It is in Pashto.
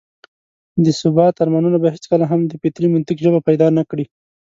د ثبات ارمانونه به هېڅکله هم د فطري منطق ژبه پيدا نه کړي.